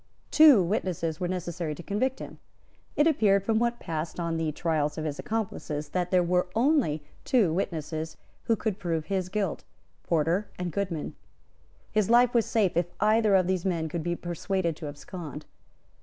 Two witnesses were necessary to convict him. It appeared from what had passed on the trials of his accomplices, that there were only two witnesses who could prove his guilt, Porter and Goodman. His life was safe if either of these men could be persuaded to abscond.